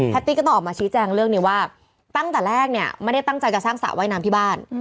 ตี้ก็ต้องออกมาชี้แจงเรื่องนี้ว่าตั้งแต่แรกเนี่ยไม่ได้ตั้งใจจะสร้างสระว่ายน้ำที่บ้าน